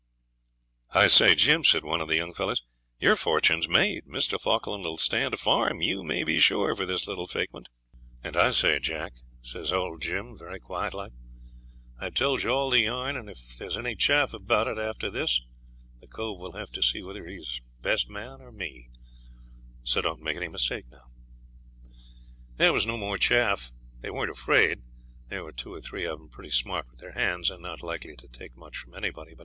'I say, Jim,' said one of the young fellows, 'your fortune's made. Mr. Falkland 'll stand a farm, you may be sure, for this little fakement.' 'And I say, Jack,' says old Jim, very quiet like, 'I've told you all the yarn, and if there's any chaff about it after this the cove will have to see whether he's best man or me; so don't make any mistake now.' There was no more chaff. They weren't afraid. There were two or three of them pretty smart with their hands, and not likely to take much from anybody.